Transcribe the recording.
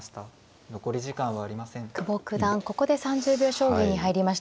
ここで３０秒将棋に入りました。